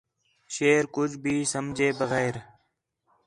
شیر کُج بھی سمجھے بغیر